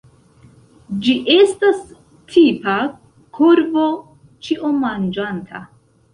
Ĝi estas tipa korvo ĉiomanĝanta.